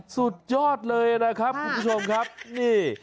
สุดยอดเลยนะครับคุณผู้ชมครับนี่